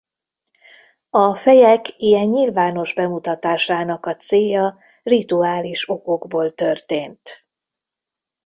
A fejek ilyen nyilvános bemutatásának a célja rituális okokból történt.